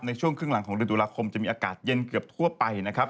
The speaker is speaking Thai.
ในช่วงครึ่งหลังของเดือนตุลาคมจะมีอากาศเย็นเกือบทั่วไปนะครับ